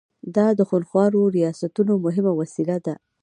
دا د خونخوارو ریاستونو مهمه وسیله ده.